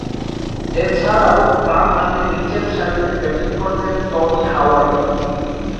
এছাড়াও, বামহাতে নিচেরসারিতে ব্যাটিং করতেন টনি হাওয়ার্ড।